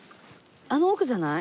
あの奥じゃない？